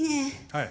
はい。